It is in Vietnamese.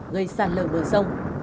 gây sàn lở đồi sông